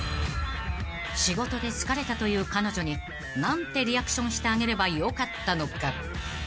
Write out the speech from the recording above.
［仕事で疲れたという彼女に何てリアクションしてあげればよかったのか］